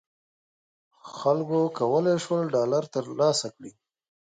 خلکو کولای شول ډالر تر لاسه کړي.